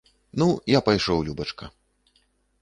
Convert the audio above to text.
Ну, я пайшоў, любачка!